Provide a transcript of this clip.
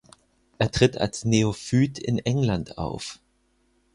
Er tritt als Neophyt in England auf.